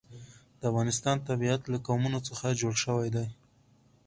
د افغانستان طبیعت له قومونه څخه جوړ شوی دی.